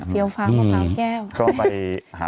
เทียวฟังของพาวแก้ว